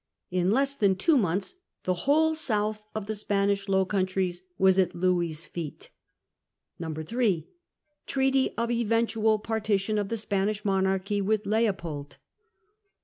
In less than two months the whole south of the Spanish Low Countries was at Louis's feet. 3. Treaty of Eventual Partition of the Spanish Monarchy with Leopold.